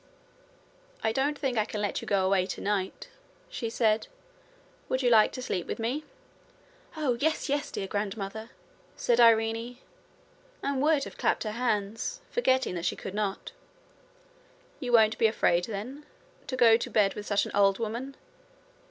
'I don't think I can let you go away tonight,' she said. 'Would you like to sleep with me?' 'Oh, yes, yes, dear grandmother,' said Irene, and would have clapped her hands, forgetting that she could not. 'You won't be afraid, then, to go to bed with such an old woman?'